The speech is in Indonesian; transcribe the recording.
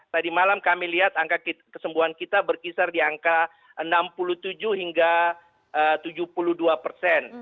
tadi malam kami lihat angka kesembuhan kita berkisar di angka enam puluh tujuh hingga tujuh puluh dua persen